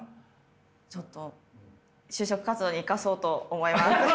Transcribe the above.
ちょっと就職活動に生かそうと思います。